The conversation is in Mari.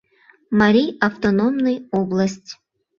Марий автономный область.